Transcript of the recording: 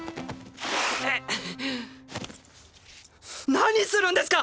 何するんですか！